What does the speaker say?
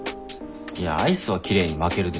いやアイスはきれいに巻けるでしょ。